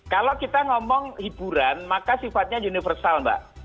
kalau kita ngomong hiburan maka sifatnya universal mbak